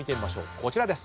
こちらです。